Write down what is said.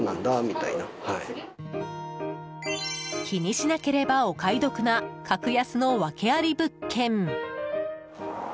気にしなければお買い得な格安の訳あり物件。